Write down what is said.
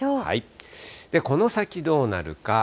この先、どうなるか。